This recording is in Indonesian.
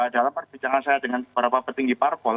dalam perbincangan saya dengan beberapa petinggi parpol